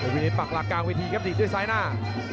วินิตปักหลักกลางเวทีครับถีบด้วยซ้ายหน้า